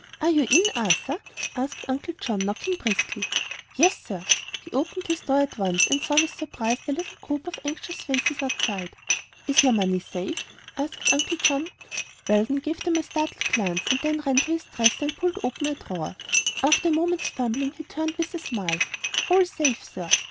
"Are you in, Arthur?" asked Uncle John, knocking briskly. "Yes, sir." He opened his door at once, and saw with surprise the little group of anxious faces outside. "Is your money safe?" asked Uncle John. Weldon gave them a startled glance and then ran to his dresser and pulled open a drawer. After a moment's fumbling he turned with a smile. "All safe, sir."